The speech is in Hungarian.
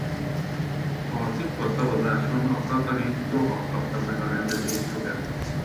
A titkos szavazáson a katari Doha kapta meg a rendezés jogát.